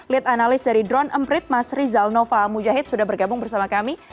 lead analis dari drone emprit mas rizal nova mujahid sudah bergabung bersama kami